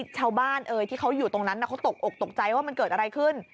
ชาวบ้านที่เขาอยู่ตรงนั้นเขาตกอกตกใจว่ามันเกิดอะไรขึ้น